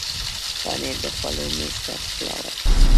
پنېر د خوړو میز ته ښکلا ورکوي.